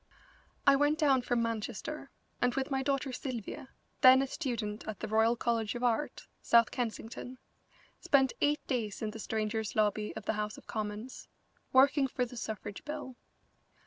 I went down from Manchester, and with my daughter Sylvia, then a student at the Royal College of Art, South Kensington, spent eight days in the Strangers' Lobby of the House of Commons, working for the suffrage bill.